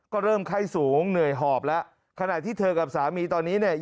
ก็เริ่มไข้สูงเหนื่อยหอบแล้วขณะที่เธอกับสามีตอนนี้เนี่ย